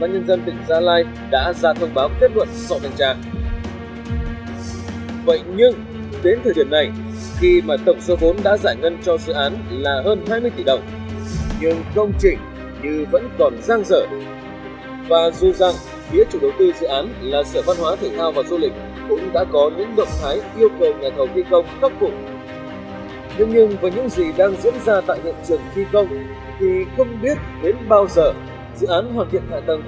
hãy đăng ký kênh để ủng hộ kênh của mình nhé